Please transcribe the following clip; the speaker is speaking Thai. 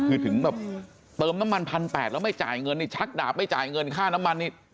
คือถึงแบบเติมน้ำมัน๑๘๐๐บาทแล้วไม่จ่ายเงินนี่ชักดาบไม่จ่ายเงินค่าน้ำมันนี่